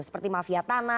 seperti mafia tana